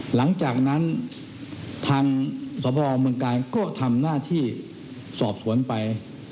หลังจากนั้นทางสพเมืองกาลก็ทำหน้าที่สอบสวนไป